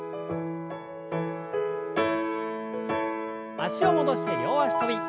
脚を戻して両脚跳び。